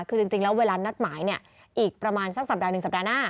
คือจริงแล้วเวลานัดหมายเนี่ยอีกประมาณสักสัปดาห์หนึ่งสัปดาห์หน้า